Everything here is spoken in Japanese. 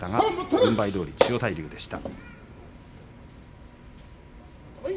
軍配どおり千代大龍でした。